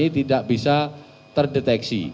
tidak bisa terdeteksi